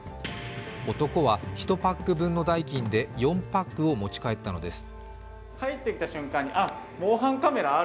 男は１パック分の代金で４パックを持ち帰ったのです。